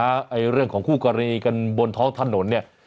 เรื่องของคู่กรณีกันบนท้องถนนเนี่ย